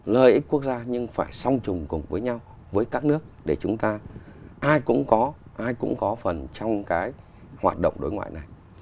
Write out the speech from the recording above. lợi ích quốc gia nhưng phải song trùng cùng với nhau với các nước để chúng ta ai cũng có phần trong cái hoạt động đối ngoại này